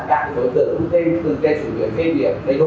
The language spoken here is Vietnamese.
các đối tượng tư tên chủ yếu thêm việc đầy đủ